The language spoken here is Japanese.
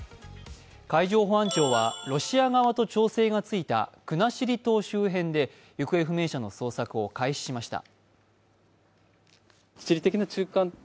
海上保安庁はロシア側と調整がついた国後島周辺で行方不明者の捜索を開始しました。